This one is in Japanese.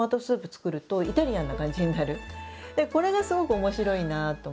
でも今度これがすごく面白いなと思って。